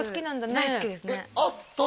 大好きですねえっ？